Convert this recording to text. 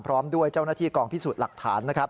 พร้อมด้วยเจ้าหน้าที่กองพิสูจน์หลักฐานนะครับ